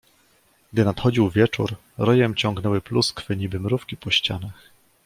"Gdy nadchodził wieczór, rojem ciągnęły pluskwy, niby mrówki po ścianach."